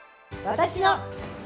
私の！